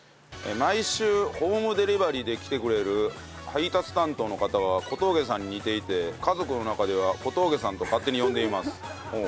毎週ホームデリバリーで来てくれる配達担当の方が小峠さんに似ていて家族の中では「小峠さん」と勝手に呼んでいます。